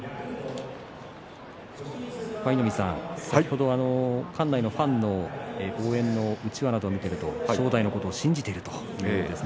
舞の海さん、先ほど館内のファンの応援のうちわなど見ていると正代のこと信じていると。